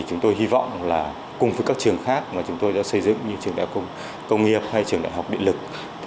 chúng tôi hy vọng là cùng với các trường khác mà chúng tôi đã xây dựng như trường đại học công nghiệp hay trường đại học điện lực